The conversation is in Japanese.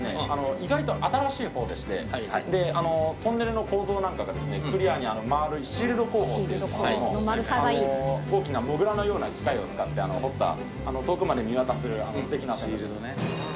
意外と新しい方でしてトンネルの構造なんかがですねクリアに丸いシールド工法っていうんですけども大きなモグラのような機械を使って掘った遠くまで見渡せるすてきな線路です。